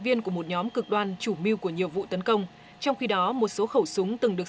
viên của một nhóm cực đoan chủ mưu của nhiều vụ tấn công trong khi đó một số khẩu súng từng được